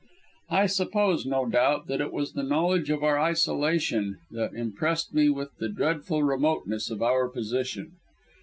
I suppose, no doubt, that it was the knowledge of our isolation that impressed me with the dreadful remoteness of our position.